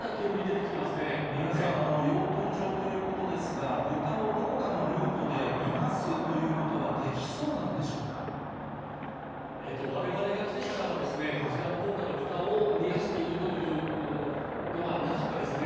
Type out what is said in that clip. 三浦さん、養豚場ということなんですが、豚をどこかのルートで逃がすといわれわれが来てからは、こちらのほうから豚を逃がしているというのはなかったですね。